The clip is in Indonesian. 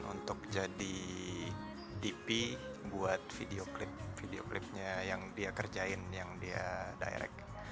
untuk jadi dp buat video klip video klipnya yang dia kerjain yang dia direct